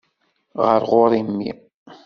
Ɣer ɣur-i mmi.